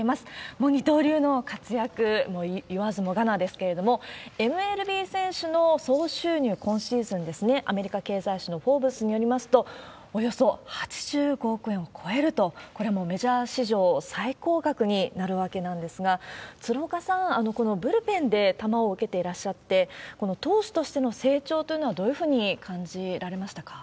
もう二刀流の活躍、言わずもがなですけども、ＮＬＢ選手の総収入、今シーズンですね、アメリカ経済誌のフォーブスによりますとおよそ８５億円を超えると、これもメジャー史上最高額になるわけなんですが、鶴岡さん、このブルペンで球を受けていらっしゃって、この投手としての成長というのは、どういうふうに感じられましたか？